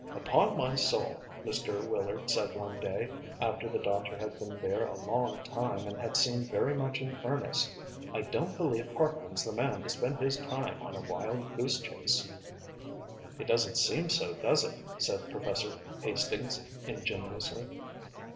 "Upon my soul," Mr. Willard said one day, after the doctor had been there a long time and had seemed very much in earnest, "I don't believe Parkman's the man to spend his time on a wild goose chase!" "It doesn't seem so, does it?" said Professor Hastings ingenuously.